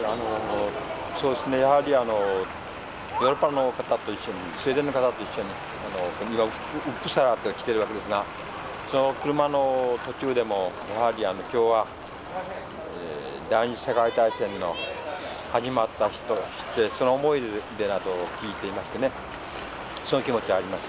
そうですねやはりあのヨーロッパの方と一緒にスウェーデンの方と一緒に僕が来てるわけですがその車の途中でもやはり今日は第２次世界大戦の始まった日としてその思い出などを聞いていましてねその気持ちあります。